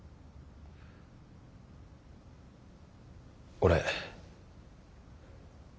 俺。